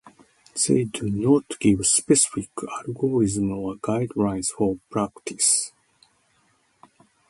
They do not give specific algorithms or guidelines for practice.